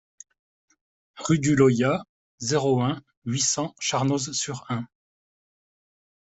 Rue du Loyat, zéro un, huit cents Charnoz-sur-Ain